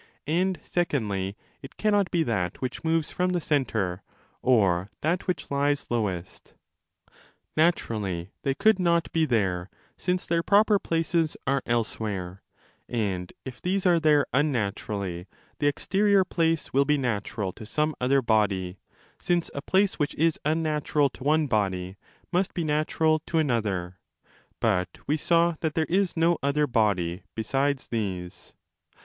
And, secondly, it cannot be that which moves from the centre or that which lies lowest. Naturally they could not be there, since their proper places are elsewhere; and if these are there wunaturally, the exterior place will be natural to some other body, since a place which is unnatural to one body must be natural to another: but we saw that there is no other body besides 35 these.